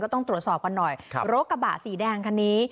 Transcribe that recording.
ต้องตรวจสอบกันหน่อยรถกระบะสีแดงคันนี้